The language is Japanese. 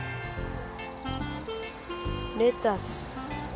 レタス。